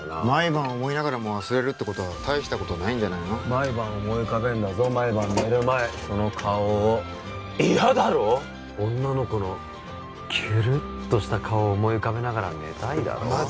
毎晩思いながらも忘れるってことは大したことないんじゃないの毎晩思い浮かべんだぞ毎晩寝る前その顔を嫌だろ女の子のきゅるっとした顔思い浮かべながら寝たいだろ